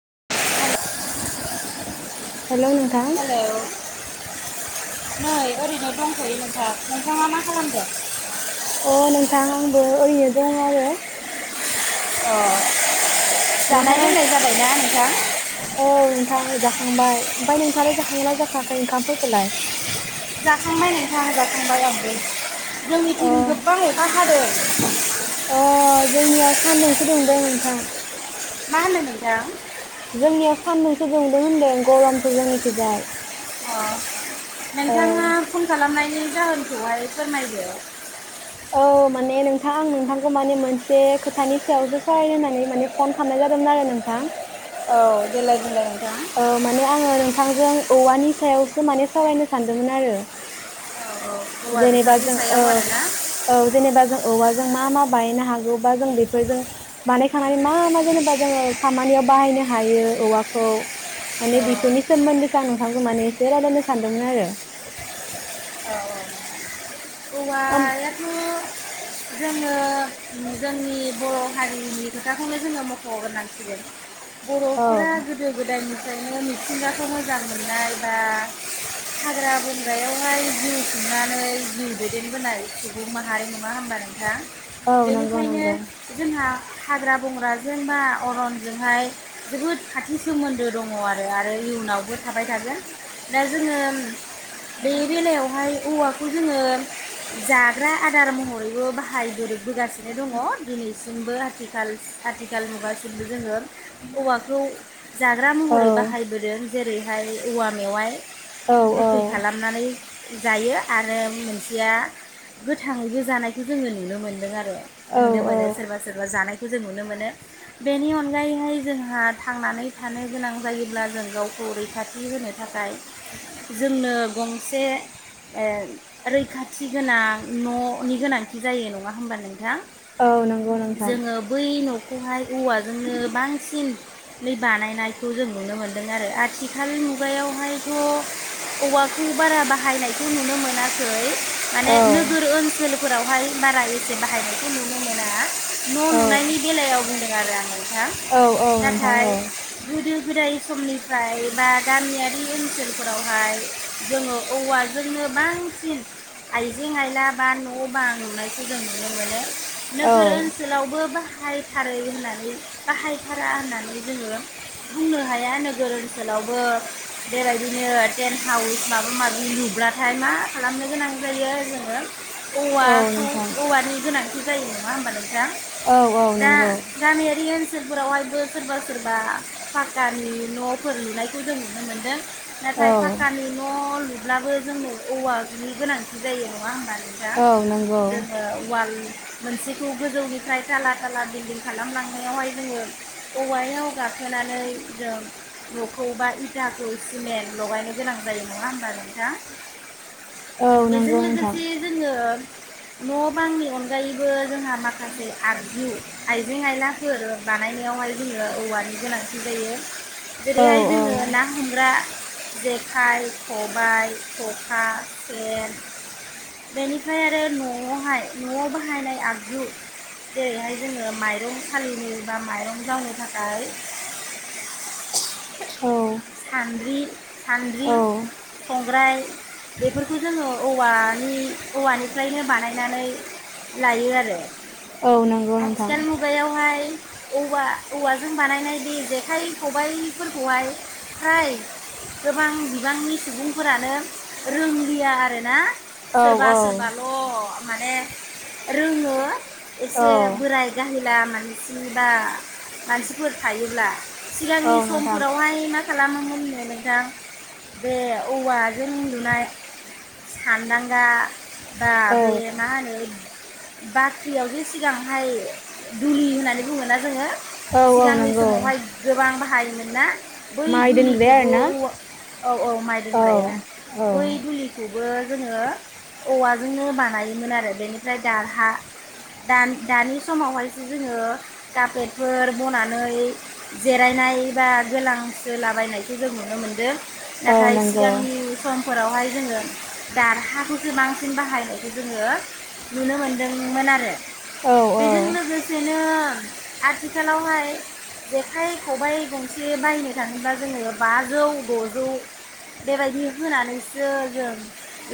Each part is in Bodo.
[inaudible] [unintelligible] हेल' नोंथां हेलौ नै ओरैनो दंथ'यो नोंथां। नोंथाङा मा खालामदों? अ नोंथां आंबो ओरैनो दङ' आरो। ए नोंथां जानाय लोंनाय आंखौ जाबायना? [unintelligible] औ नोंथां जाखांबाय। ओमफ्राय नोंथाङालाय जाखांगोना जाखाङाखै ओंखामफोरखौलाय? जाखांबाय नोंथा जाखांबाय आंबो। जोंनिथिं गोबां अखा हादों। ए जोंनियाव सान्दुंसो दुंदों नोंथां। मा होनदों नोंथां? जोंनियाव सान्दुंसो दुंदों होन्दों गरमसो जोंनिखिजाय। अ औ नोंथाङा फन खालामनाय बेनि जाहोनखौहाय फोरमायदो? औ माने नोंथां आं नोंथांखौ माने मोनसे खोथानि सायावसो सावरायनो होननानै माने फन खालामनाय जादोंमोन आरो नोंथां। औ देलाय बुंलाय नोंथां औ माने आङो नों थांजों औवानि सायावसो माने सावरायनो सानदोंमोन आरो। औ औ औवा जेनेबा बिफांनि जों औ सायाव आरोना औ जेनेबा जों औवाजों मा मा बानायनो हागौ बा जों बेफोरजों बानायखांनानै मा मा जेनेबा जोङो खामानियाव बाहायनो हायो औवाखौ माने औ बिफोरनि सोमोन्दै सार नोंथां जों माने एसे रायज्लायनो सानदोंमोन आरो? औ ओम औवायाथ' जोङो जोंनि बर' हारि जोंनि खोथाखौनो जोङो मख'गोनांसिगोन बर'फोरा औ गोदो गोदायनि ओरैनो मिथिंगाखौ मोजां मोननाय बा हाग्रा बंग्रायावहाय जिउ खुंनानै जिउ दैदेनबोनाय सुबुं माहारि नङा होमबा नोंथां? औ नंगौ बेनिखायनो नंगौ जोंहा हाग्रा बंग्राजों बा अरनजोंहाय जोबोद खाथि सोमोन्दो दङ आरो आरो इयुनावबो थाबाय थागोन। दा जोङो बे बेलायावहाय [unintelligible] औवाखौ जोङो जाग्रा आदार महरैबो बाहायबोदों बोगासिनो दङ दिनैसिमबो आथिखाल आथिखाल मुगासिमबो जोङो। औवाखौ जाग्रा औ महरै बाहायबोदों जेरैहाय औवा मेवाइ औ गोखै औ खालामनानै जायो आरो मोनसेया गोथाङैबो जानायखौ जोङो नुनो मोनदों आरो औ नुनो औ मोनो सोरबा सोरबा जानायखौ जों नुनो मो नो बेनि अनगायैहाय जोंहा थांनानै थानो गोनां जायोब्ला जों गावखौ रैखाथि होनो थाखाय जोंनो गंसे ओ रैखा थि गोनां न'नि गोनांथि जायो नङा होमबा नोंथां? औ नंगौ नोंथां। खौहाय औवाजोंनो बांसिनै बानायनायखौ जों नुनो मोन्दों आरो आथिखाल मुगायावहायथ' औवाखौ बारा बा हायनायखौ नुनो मोनाखै। माने औ नोगोर ओनसोलफोराव हाय बारा एसे बाहायनायखौ नुनो मोना। न' औ लुनायनि बेलायाव बुंदों आरो आं नोंथां। औ औ नोंथां औ नाथाय गोदो गोदाय समनिफ्राय बा गामियारि ओनसोलफोरावहाय जोङो औवाजोंनो बां सिन आइजें आइला बा न' बां नुनायखौ जों नुनो मोनो। औ नोगोर ओनसोलावबो बा बाहायथारै होननानै बाहायथारा होननानै जोङो बुंनो हाया। नोगोर ओनसोलावबो बेबायदिनो टेन्ट हाउस माबा माबि लुब्लाथाय मा खालामनो गोनां जायो जोङो औ औवाखौ नोंथां औवानि गोनांथि जायो नङा होमबा नों थां औ औ दा नंगौ गामियारि ओनसोल फोरावहायबो सोरबा सोरबा पाकानि नफोर लुनायखौ जों नुनो मोन्दों। नाथाय औ फाक्कानि न' लु ब्लाबो जोंनो औवानि गोनांथि जायो नङा होमबा नोंथां? औ नंगौ जों ओ वाल मोनसेखौ गोजौनिफ्राय ताला ताला बिल्दिं खालामलांनायावहाय जोङो औवायाव गा खोनानै जों न'खौ बा इटाखौ सिमेन्ट लगायनो गोनां जायो नङा होमबा नों थां? औ बेजों नंगौ नोंथां लोगोसे जोङो न' बांनि अनगायैबो जोंहा माखासे आगजु, आइजें आयलाफोर बानायनायावहाय जोंनो औवानि गोनांथि जायो। औ जेरैहाय जोङो औ ना हमग्रा जेखाय, ख' बाय ख'खा सेन बेनिफ्राय आरो न'आवहाय न'आव बाहायनाय आगजु जेरैहाय जोङो माइरं सालिनो बा माइरं जावनो थाखाय औ सानद्रि सानद्रि औ संग्राय बेफोरखौ जोङो औवानि औवानिफ्रायनो बानायनानै लायो आरो। औ नंगौ नोंथां आथिखाल मुगायावहाय औवा औवाजों बानायनाय बे जेखाइ खबायफोरखौहाय फ्राय गोबां बिबांनि सुबुंफोरानो रोंलिया आरोना। औ सोरबा औ सोरबाल' माने रोङो। औ एसे बोराय गाहैला माने जेनबा मानसिफोर थायोब्ला सिगांनि औ नोंथां समफोरावहाय मा खालामोमोन नो नोंथां? बे औवाजों उन्दुनाय सान्दांगा बा बे औ मा होनो बाख्रियावजि सिगांहाय दुलि होननानै बुङोना जोङो औ औ सिगांनि नंगौ समावहाय गोबां हायोमोन ना? बै माइ दोनग्राया दुलिखौबो आरोना औवा औ औ माइ दोनग्राया। औ औ बै दुलिखौ बो जोङो औवाजोंनो बानायोमोन आरो बेनिफ्राय दारहा दानि समावहायसो जोङो कारफेटफोर बनानै जिरायनाय बा गोलांस्रोलाबायनायखौ जों नुनो मोनदों। औ नाथाय नंगौ सिगांनि समफोरावहाय जोंङो दारहाखौसो बांसिन बाहायनायखौ जोंङो नुनो मोनदोंमोन आरो। औ बेजों औ लोगोसेनो आथिखालावहाय जेखाइ खबाइ गंसे बायनो थांङोबा जोंङो बाजौ द'जौ बेबायदि होनानैसो जों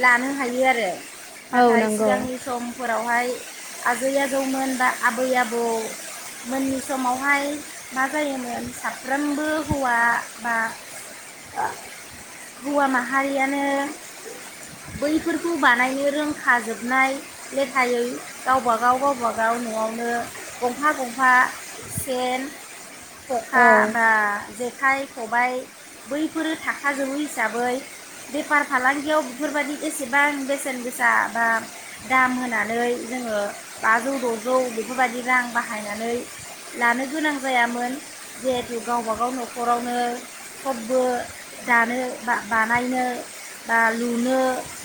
लानो हायो आरो। औ नाथाय नंगौ सिगांनि समफोराव हाय आजै आजौमोन बा आबै आबौ मोननि समावहाय मा जायोमोन साफ्रोमबो हौवा बा ओ हौवा माहारियानो बैफोरखौ बानायनो रोंखाजोबनाय लेखायै गावबागाव-गावबाागाव न'आवनो गंफा गंफा सेन औ ख'खा बा जेख खाइ, खबबाय बै फोरो थाखाजोबो हिसाबै बेफार फालांगियाव बेफोरबायदि एसेबां बेसेन गोसा बा दाम होनानै जोंङो बाजौ, द'जौ बेफोरबायदि रां बाहायनानै लानो गोनां जायामोन जिहेथु गावबा गाव न'खरावनो सबबो दानो बा-बानायनो बा लुनो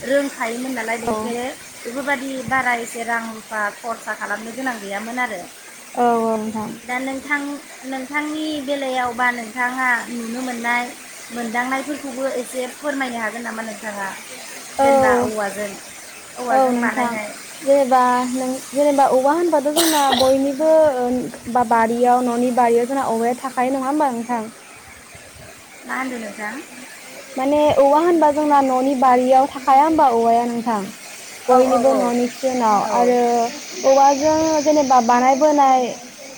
रों हायोमोन नालाय औ बेनिखायनो बेफोरबायादि बारा एसे रां रुफा खरसा खालामनो गोनां गैयामोन आरो। औ औ नोंथां। दा नोंथां नोंथांनि बेलायाव बा नोंथाङा नुनो मोननाय मोनदांनायफोरखौबो एसे फोरमायनो हागोन नामा नोंथाङा? औ जेनेबा औवाजों औ औवाजों नोंथां बानायनाय जेनेबा नों जेनेबा औवा होनबाथ' जोंना बयनिबो ओ बा बारियाव न'नि बारियाव जोंना औवाया थाखायो नंङा होमबा नोंथां? मा होनदों नोंथां? माने औवा होनबा जोंना न'नि बारियाव थाखाया होमबा औवाया नोंथां? औ औ बयनिबो औ न'नि [unintelligible] नाव औ आरो औवाजों जेनेबा बानाय बोनाय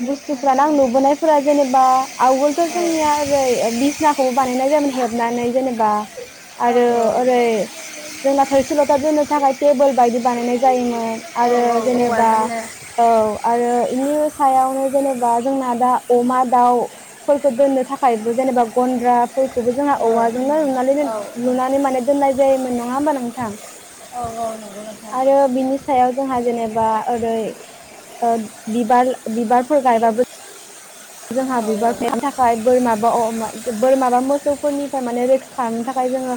बुस्थुफ्रानो आं नुबोनायफोरा जेनेबा आवगोलथ' जोंनिया ओरै बिसनाखौबो बानायनाय जायोमोन हेबनानै जेनबा औ आरो ओरै जोंना थोरसिल'था दोनो आ बा थाखाय टेबोल बायदि बानायनाय जायोमोन। मोन औ आरो जेनेबा औवाजोंनो औ आरो इनिउ सायावनो जेनेबा जोंना दा अमा, दाव फोरखौ दोननो थाखायबो जेनेबा गन्द्रा फोरखौबो जोंआ औ औवा ओमनानै दोन औ लुनानै माने दोननाय जाय योमोन नङा होमबा नोंथां? औ औ नंगौ नोंथां आरो बिनि सायाव जोंहा जेनेबा ओरै ओ बिबाल-बिबारफोर गायबाबो जोंहा औ बिबार खानो थाखाय बोरमा-बा अ-मा बोरमाबा मोसौफोरनिफ्राय माने रैखा खालामनो थाखाय जोंङो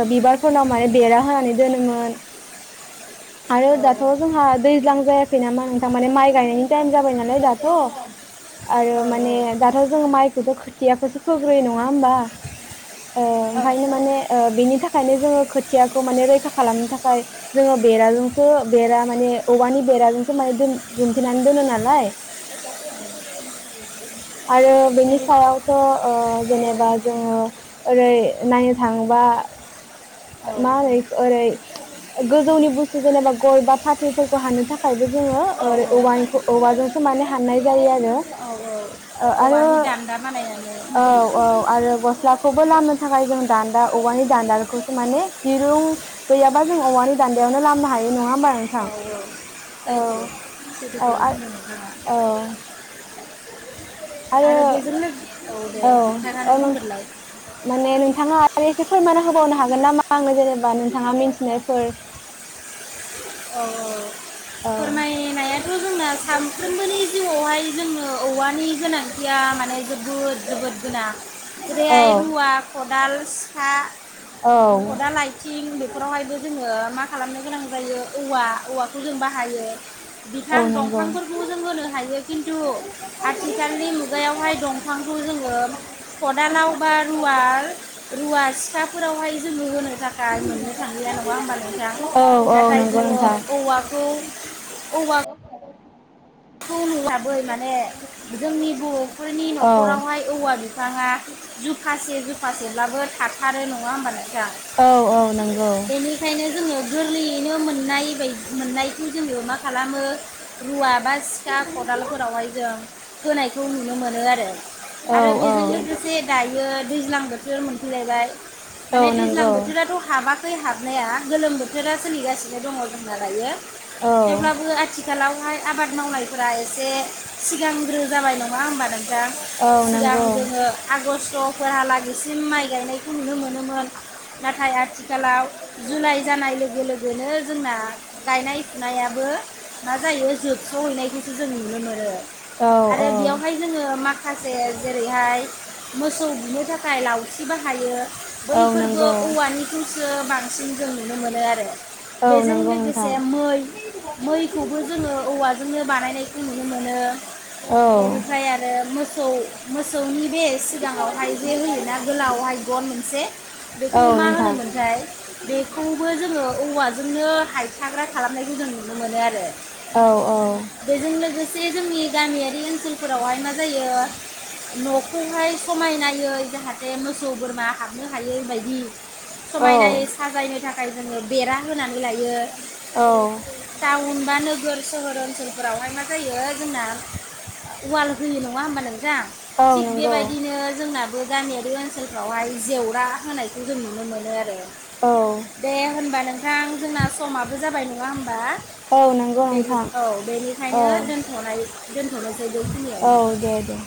ओ बिबारफोरनाव माने बेरा होनानै दोनोमोन। आरो दाथ' जोंहा दैज्लां जायाखै नामा नों थारमाने माइ गायनायनि टाइम जाबाय नालाय दाथ' आरो माने दाथ' जों माइखौथ' खोथियाखौसो फोग्रो नङा होमबा? ओ औ ओमफायनो माने ओ बेनि थाखायनो जोङो खोथियाखौ माने रैखा खालामनो थाखाय जोङो बेराजोंसो बेरा माने औवानि बेराजोंसो माने दुमथेनानै दोनो नालाय बेफोरनो आरो बेनि सायावथ' ओ औ जेनेबा जोङो ओरै नायनो थांबा औ मारै ओरै गोजौनि बुस्थु जेनेबा गय बा फाथैफोरखौ हानो थाखाय जोङो औ औ ओरान औवाजों होनानै हाननाय जायो आरो औ ओ आरो औवानि दान्दा औ बानायनानै औ आरो गस्लाखौबो लामानो। थाखाय जों दान्दा औवानि दान्दाखौ माने दिरुं गैयाबा जों औवानि दान्दायावनो लामनो हायो नङा होमबा औ नोंथां औ सैथो सैथोखौनो औ बुंदों नोंथाङा औ आरो बेजोंनो दे औ नोंथाङानो औ बुंग्रोलाय माने नोंथाङा आरो एसे फोरमानना होबावनो हा हागोन नामा आंनो जेनेबा नोंथाङा मिथिनायफोर औ औ फोरमायनायाथ' जोंना सानफ्रोमबोनि जिउआवहाय जोङो औवानि गोनांथिया माने जोबोद जोबोद गोनां औ जेरैहाय रुवा, खदाल, सिखा, औ खदाल आइथिं बेफोरावहायबो जोङो मा खालामनो गोनां जायो। औवा औवाखौ जों बाहायो। औ बिफां नंगौ दंफांफोरखौ जों होनो हायो खिन्थु आथिखालनि मुगायावहाय दंफांखौ जोङो खदालाव बा रुवाल रुवा सिखाफोरावहाय जोङो होनो थाखाय मोननो थांलिया नङा होमबा नोंथां? औ औ नंगौ जोङो नोंथां औवाखौ [inaudible] खौ नुआबो माने जोंनि बर'फोरनि औ न'खरावहाय औवा बिफाङा जुफासे जुफासेब्लाबो थाथारो नङा होमबा नों थां औ औ नंगौ बेनिखायनो जोङो गोरलैयैनो मोननाय बाय मोननायखौ जोङो मा खालामो रुआबा सिखा खदालफोरावहाय जों होनाय खौ नुनो मोनो आरो औ आरो बेजों लोगोसे दायो दैज्लां बोथोर मोन लायबाय औ माने दैज्लां नंगौ बोथोराथ हाबा खै हाबनाया गोलोम बोथोरा सोलिगासिनो दङ दंना दायो औ थेवब्लाबो आथि खालावहाय आबाद मावनाय फोरा एसे सिगांग्रो जाबाय नङा होमब नों दा औ सिगां नंगौ जोङो आगष्ट फोरा लागि सिम माइ गायनायखौ नुनो मोनोमोन नाथाय आथिखालाव जुलाइ जानाय लोगो लोगोनो जोंना गायनाय फुनायाबो मा जायो जोबस्र'हैनायखौ जों नुनो मोनो। औ आरो औ बियावहाय जोङो माखासे जेरैहाय मोसौ बुनो थाखाय लावथि बाहायो। औ बैफोरबो नंगौ औवानिखौसो बां बांसिन जों नुनो मोनो आरो। औ बेजों नंगौ नोंथां लोगोसे मै मैखौबो जोङो औवाजोंनो बानाय नायखौ नुनो मोनो औ बेनिफ्राय आरो मोसौ मोसौनि बे सिगाङावहाय जे होयोना गोलावहाय गन मोनसे बेखौ औ मा नोंथां होनोमोनथाय बेखौबो जोङो औवाजोंनो हायथाग्रा खालामनायखौ जों नुनो मोनो आरो। औ औ बेजों लोगोसे जोंनि गामियारि ओनसोलफोरावहाय मा जायो न'खौहाय समायनायै जाहाथे मोसौ बोरमा हाबनो हायै बायदि समायनायै औ साजायनो थाख खाय जोङो बेरा होनानै लायो। औ दाउनबा नोग गोर सोहोर ओनसोल। फोरावहाय मा जायो जोंना उवाल होयो नङा होमबा नों थां औ थिग नंगौ बेबायदिनो जोंना बो गामियारि ओनसोलफ्रावहाय जेवरा होनायखौ जों नुनो मोनो आरो। औ दे होनबा नोंथां जोंना समाबो जाबाय नों नङा होमबा। औ नंगौ नोंथां। औ ओंखायनो दोनथनाय दोथनोसै बेखिनियावनो। औ दे दे